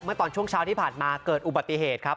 ตอนช่วงเช้าที่ผ่านมาเกิดอุบัติเหตุครับ